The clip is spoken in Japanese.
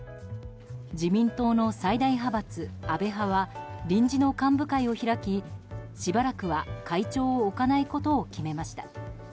自民党の最大派閥、安倍派は臨時の幹部会を開きしばらくは会長を置かないことを決めました。